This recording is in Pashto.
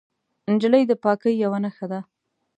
نجلۍ د پاکۍ یوه نښه ده.